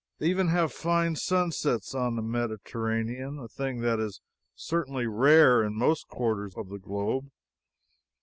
They even have fine sunsets on the Mediterranean a thing that is certainly rare in most quarters of the globe.